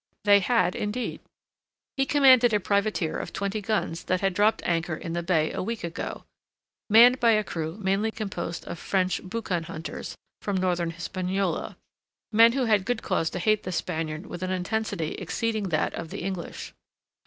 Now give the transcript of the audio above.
They had, indeed. He commanded a privateer of twenty guns that had dropped anchor in the bay a week ago, manned by a crew mainly composed of French boucanhunters from Northern Hispaniola, men who had good cause to hate the Spaniard with an intensity exceeding that of the English.